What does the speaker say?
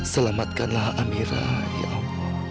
selamatkanlah amira ya allah